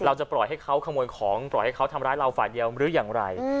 เราจะปล่อยให้เขาขโมยของปล่อยให้เขาทำร้ายเราฝ่ายเดียวหรืออย่างไร